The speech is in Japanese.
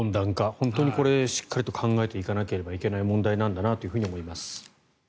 本当にこれしっかりと考えていかなければいけない問題だなと思います。